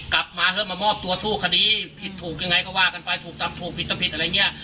กลับมาเถอะมามอบตัวสู้คดีผิดถูกยังไงก็ว่ากันไปถูกจับถูกผิดตำผิดอะไรอย่างนี้